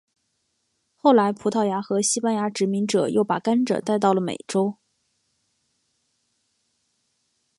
后来葡萄牙和西班牙殖民者又把甘蔗带到了美洲。